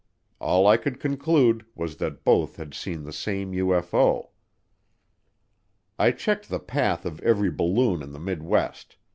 All I could conclude was that both had seen the same UFO. I checked the path of every balloon in the Midwest.